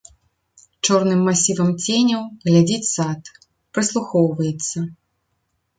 Чорным масівам ценяў глядзіць сад, прыслухоўваецца.